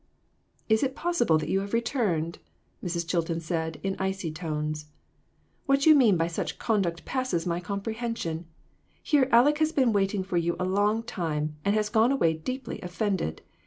"Is it possible that you have returned?" Mrs. Chilton said, in icy tones; "what you mean by such conduct passes my comprehension. Here Aleck has been waiting for you a long time, and has gone away deeply offended.